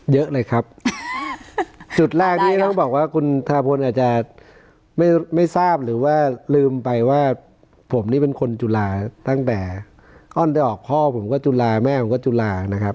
เยอะเลยครับจุดแรกที่ต้องบอกว่าคุณธนพลอาจจะไม่ทราบหรือว่าลืมไปว่าผมนี่เป็นคนจุฬาตั้งแต่อ้อนได้ออกพ่อผมก็จุฬาแม่ผมก็จุฬานะครับ